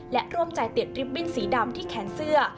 และร่วมใจติดริบบิ้นสีดำที่แขนเสื้อ